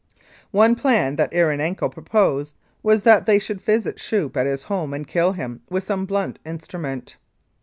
One plan that Erenenko proposed was that they should visit Schoeppe at his home and kill him with some blunt instrument.